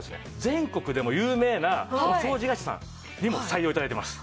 全国でも有名なお掃除会社さんにも採用頂いてます。